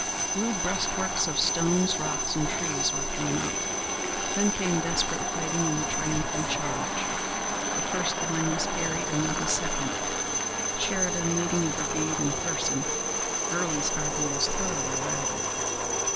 Rude breastworks of stones, rocks, and trees were thrown up. Then came desperate fighting, and then the triumphant charge. The first line was carried, and then the second, Sheridan leading a brigade in person. Early's army was thoroughly routed.